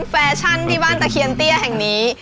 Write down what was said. แฟชั่นที่บ้านตะเคียนเตี้ยแห่งนี้